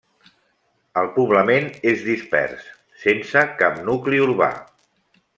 El poblament és dispers, sense cap nucli urbà.